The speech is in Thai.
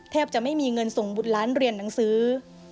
จะไม่มีเงินส่งบุตรล้านเรียนหนังสือ